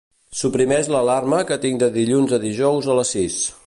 Suprimeix l'alarma que tinc de dilluns a dijous a les sis.